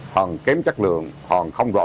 hoặc kém chất lượng hoặc không rõ